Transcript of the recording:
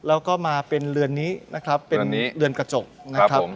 แล้วก็มาเป็นเรือนนี้นะครับเรือนนี้เป็นเรือนกระจกนะครับครับผม